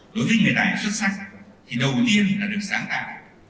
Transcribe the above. đối với người tài xuất sắc thì đầu tiên là được sáng tạo